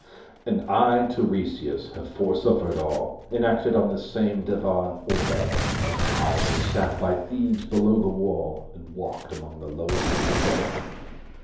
(And I Tiresias have foresuffered all Enacted on this same divan or bed; I who have sat by Thebes below the wall 245 And walked among the lowest of the dead.)